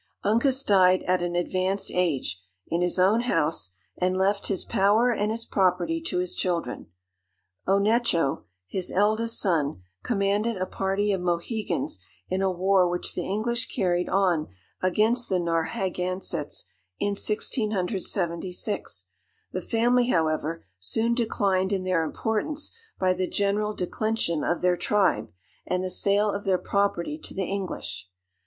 Uncas died at an advanced age, in his own house, and left his power and his property to his children. Onecho, his eldest son, commanded a party of Mohegans in a war which the English carried on against the Narrhagansetts in 1676. The family, however, soon declined in their importance by the general declension of their tribe, and the sale of their property to the English.